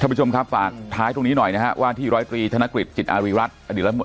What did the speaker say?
ท่านผู้ชมครับฝากท้ายตรงนี้หน่อยนะฮะว่าที่ร้อยกรีธนกฤทธิ์จิตอาริรัติ